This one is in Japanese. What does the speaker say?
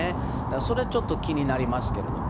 それちょっと気になりますけれども。